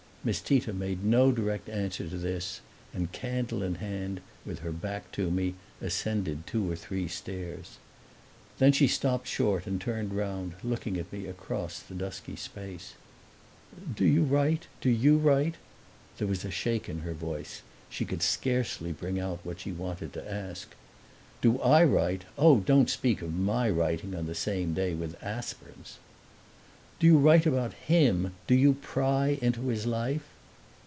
Miss Tita made no direct answer to this and, candle in hand, with her back to me, ascended two or three stairs. Then she stopped short and turned round, looking at me across the dusky space. "Do you write do you write?" There was a shake in her voice she could scarcely bring out what she wanted to ask. "Do I write? Oh, don't speak of my writing on the same day with Aspern's!" "Do you write about HIM do you pry into his life?"